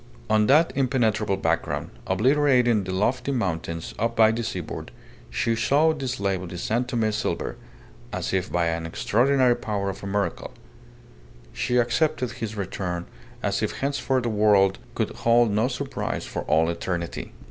On that impenetrable background, obliterating the lofty mountains by the seaboard, she saw the slave of the San Tome silver, as if by an extraordinary power of a miracle. She accepted his return as if henceforth the world could hold no surprise for all eternity.